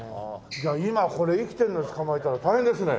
じゃあ今これ生きてるの捕まえたら大変ですね。